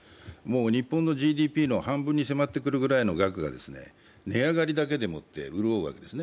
日本のＧＤＰの半分に迫ってくるくらいの額が値上がりだけで潤ってるわけです。